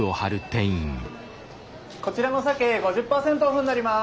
こちらの鮭５０％オフになります。